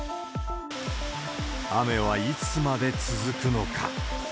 雨はいつまで続くのか。